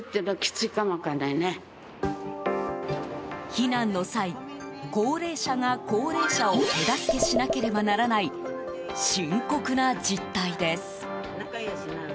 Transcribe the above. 避難の際、高齢者が高齢者を手助けしなければならない深刻な実態です。